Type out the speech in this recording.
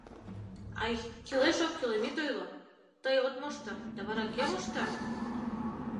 — Ай, кӱлеш-оккӱлым ит ойло, тый от мошто, да вара кӧ мошта?!